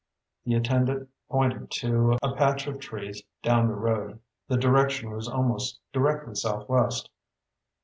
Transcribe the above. The attendant pointed to a patch of trees down the road. The direction was almost directly southwest.